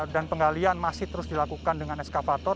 dan penggalian masih terus dilakukan dengan ekskavator